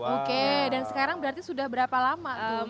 oke dan sekarang berarti sudah berapa lama